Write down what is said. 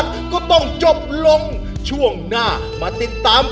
ร้องได้ให้หลาน